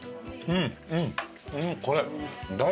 うんこれ。